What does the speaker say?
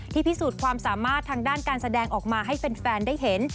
พิสูจน์ความสามารถทางด้านการแสดงออกมาให้แฟนได้เห็น